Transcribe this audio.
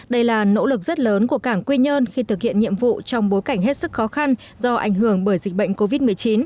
đây là nỗ lực rất lớn của cảng quy nhơn khi thực hiện nhiệm vụ trong bối cảnh hết sức khó khăn do ảnh hưởng bởi dịch bệnh covid một mươi chín